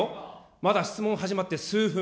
まだ質問始まって数分。